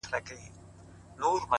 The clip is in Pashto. علم د عقل او منطق بنسټ دی!